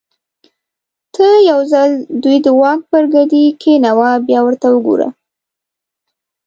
ته یو ځل دوی د واک پر ګدۍ کېنوه بیا ورته وګوره.